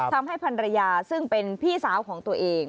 พันรยาซึ่งเป็นพี่สาวของตัวเอง